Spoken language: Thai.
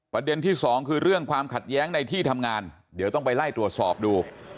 ประเด็นที่สองคือเรื่องความขัดแย้งในที่ทำงานเดี๋ยวต้องไปไล่ตรวจสอบดู